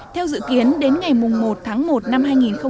theo dự kiến đến ngày một tháng một năm hai nghìn một mươi chín